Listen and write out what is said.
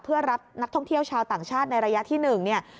เพื่อรับนักท่องเที่ยวชาวต่างชาติในระยะที่๑เนี่ย